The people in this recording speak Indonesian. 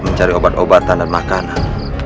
mencari obat obatan dan makanan